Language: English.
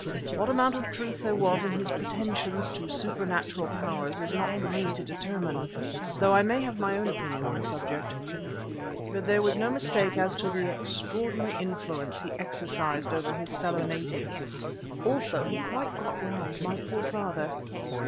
What amount of truth there was in his pretensions to supernatural powers it is not for me to determine, though I may have my own opinion on the subject. But there was no mistake as to the extraordinary influence he exercised over his fellow natives. Also he quite got round my poor father.